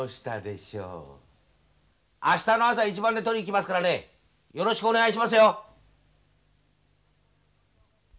明日の朝一番で取りに来ますからねよろしくお願いしますよ。